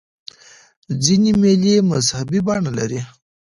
ځیني مېلې مذهبي بڼه لري.